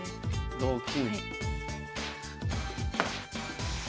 同金。